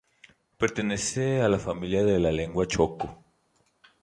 Pertenece a la familia de la lengua Choco.